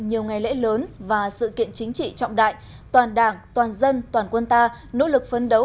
nhiều ngày lễ lớn và sự kiện chính trị trọng đại toàn đảng toàn dân toàn quân ta nỗ lực phấn đấu